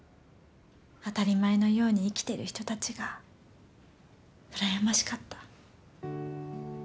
当たり前のように生きてる人たちがうらやましかった。